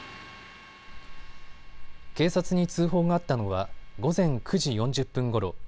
警察に通報があったのは午前９時４０分ごろ